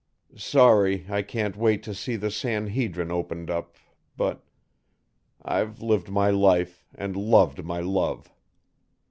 Sorry I can't wait to see the San Hedrin opened up, but I've lived my life and loved my love.